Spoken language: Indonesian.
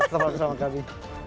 tetap lagi bersama kami